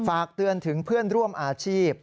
ฝากเตือนถึงเพื่อนร่วมอาชีพ